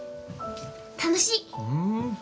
楽しい。